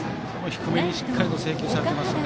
低めにしっかりと制球されています。